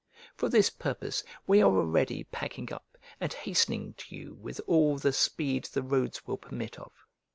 For this purpose we are already packing up, and hastening to you with all the speed the roads will permit of.